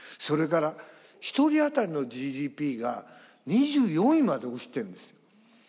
それから一人あたりのＧＤＰが２４位まで落ちてんですよ。